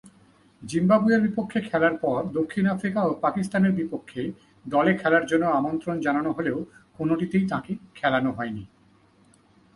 জিম্বাবুয়ের বিপক্ষে খেলার পর দক্ষিণ আফ্রিকা ও পাকিস্তানের বিপক্ষে দলে খেলার জন্যে আমন্ত্রণ জানানো হলেও কোনটিতেই তাকে খেলানো হয়নি।